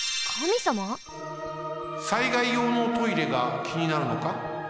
災害用のトイレがきになるのか？